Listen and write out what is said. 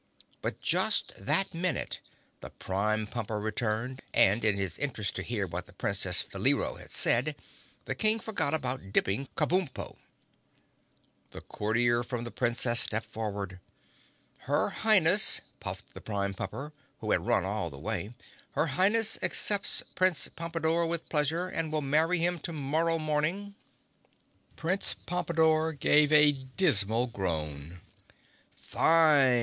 But just that minute the Prime Pumper returned and in his interest to hear what the Princess Faleero had said the King forgot about dipping Kabumpo. The courier from the Princess stepped forward. "Her Highness," puffed the Prime Pumper, who had run all the way, "Her Highness accepts Prince Pompadore with pleasure and will marry him to morrow morning." Prince Pompadore gave a dismal groan. "Fine!"